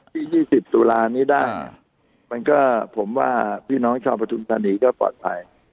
ที่๒๐ตุลานี้ได้มันก็ผมว่าพี่น้องชาวประทุมธานีก็ปลอดภัย